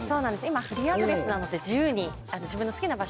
今フリーアドレスなので自由に自分の好きな場所で。